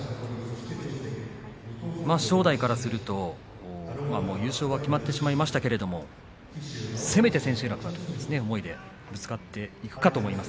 正代からすると優勝が決まってしまいましたけれどせめて千秋楽は取るという思いでぶつかっていくかと思います。